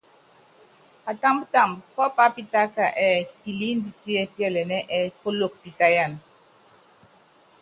Patambtámb pɔ́ pápitáka ɛ́ɛ piliínditié píɛlɛnɛ́ ɛ́ɛ Piloko pítáyan.